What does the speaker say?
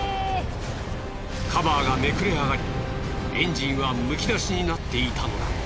カバーがめくれ上がりエンジンはむき出しになっていたのだ。